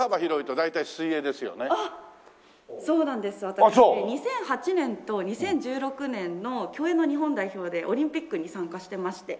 私２００８年と２０１６年の競泳の日本代表でオリンピックに参加してまして。